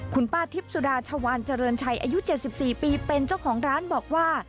คุณป้าทิพย์สุดาชวานเจริญชัยอายุ๗๔ปีเป็นเจ้าของร้านบอกว่า